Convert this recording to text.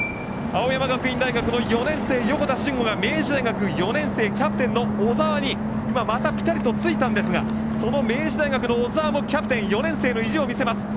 青山学院大学の４年生横田俊吾が明治大学４年生キャプテンの小澤に今、またピタリとつきましたが明治の小澤もキャプテン４年生の意地を見せます。